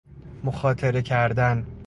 مخاطره کردن